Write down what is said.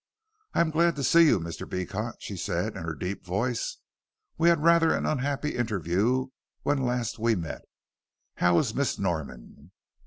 "I am glad to see you, Mr. Beecot," she said in her deep voice; "we had rather an unhappy interview when last we met. How is Miss Norman?"